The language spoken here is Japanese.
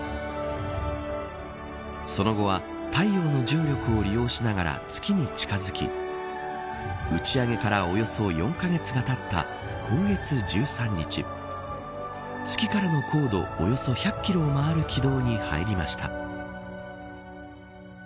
その後は太陽の重力を利用しながら月に近づき打ち上げからおよそ４カ月がたった今月１３日月からの高度およそ１００キロを回る軌道に入りました。